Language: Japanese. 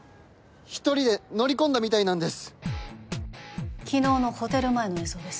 一人で乗り込んだみたいなんです昨日のホテル前の映像です